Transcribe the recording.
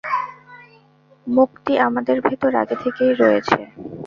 মুক্তি আমাদের ভেতর আগে থেকেই রয়েছে।